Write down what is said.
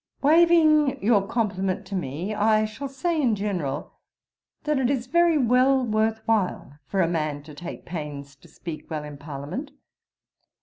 'Waiving your compliment to me, I shall say in general, that it is very well worth while for a man to take pains to speak well in Parliament.